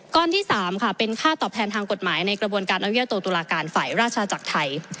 ที่๓ค่ะเป็นค่าตอบแทนทางกฎหมายในกระบวนการอนุญาโตตุลาการฝ่ายราชจักรไทย